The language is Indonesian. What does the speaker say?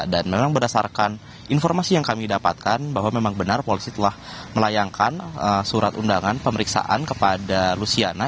dan memang berdasarkan informasi yang kami dapatkan bahwa memang benar polisi telah melayangkan surat undangan pemeriksaan kepada luciana